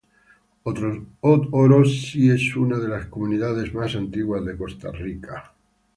Orosi es una de las comunidades más antiguas de Costa Rica.